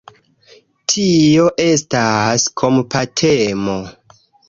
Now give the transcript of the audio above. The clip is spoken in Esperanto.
Tio estas kompatemo.